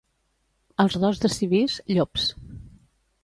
Els d'Os de Civís, llops.